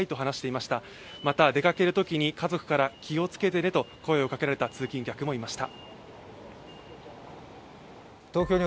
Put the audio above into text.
また、出かけるときに家族から「気をつけてね」と声をかけられた通勤客もいました。